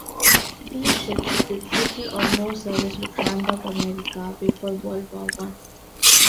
These ships did little or no service with Hamburg-America before World War One.